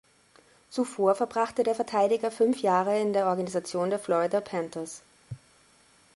Zuvor verbrachte der Verteidiger fünf Jahre in der Organisation der Florida Panthers.